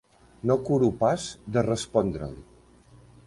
No curo pas de respondre-li.